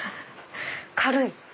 軽い！